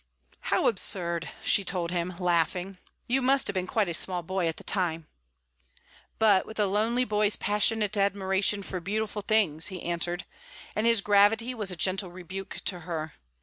"How absurd!" she told him, laughing. "You must have been quite a small boy at the time." "But with a lonely boy's passionate admiration for beautiful things," he answered; and his gravity was a gentle rebuke to her.